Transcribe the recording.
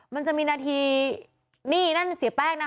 มันจะมีนาทีนี่นั่นเสียแป้งนะคะ